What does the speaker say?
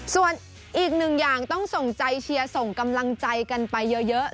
ส่วนอีกหนึ่งอย่างต้องส่งใจเชียร์ส่งกำลังใจกันไปเยอะ